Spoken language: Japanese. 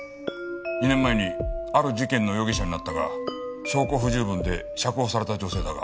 ２年前にある事件の容疑者になったが証拠不十分で釈放された女性だが。